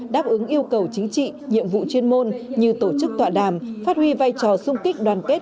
đáp ứng yêu cầu chính trị nhiệm vụ chuyên môn như tổ chức tọa đàm phát huy vai trò sung kích đoàn kết